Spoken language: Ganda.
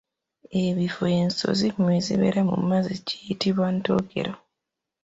Ebifo ensonzi mwe zibeera mu mazzi kiyitibwa Ntogero.